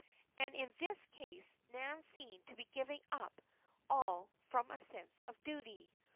And in this case Nan seemed to be giving up all from a sense of duty.